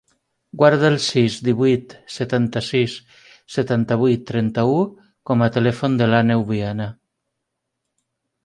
Guarda el sis, divuit, setanta-sis, setanta-vuit, trenta-u com a telèfon de l'Àneu Viana.